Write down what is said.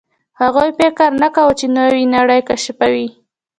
هغوی فکر نه کاوه، چې نوې نړۍ کشفوي.